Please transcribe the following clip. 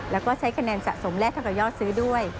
แล้วก็ใช้คะแนนสะสมแลกเท่ากับยอดซื้อด้วย